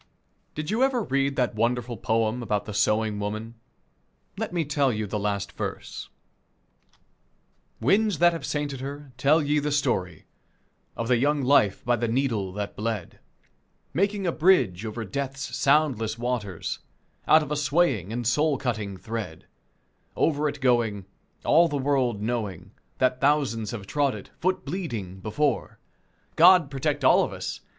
Did you ever read that wonderful poem about the sewing woman? Let me tell you the last verse: "Winds that have sainted her, tell ye the story Of the young life by the needle that bled, Making a bridge over death's soundless waters Out of a swaying, and soul cutting thread Over it going, all the world knowing That thousands have trod it, foot bleeding, before: God protect all of us!